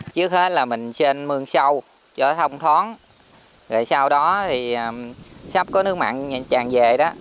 trước hết là mình trên mương sâu chở thông thoáng rồi sau đó thì sắp có nước mặn tràn về đó